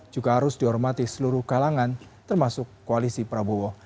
juga harus dihormati seluruh kalangan termasuk koalisi prabowo